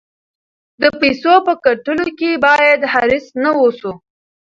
د پیسو په ګټلو کې باید حریص نه اوسو.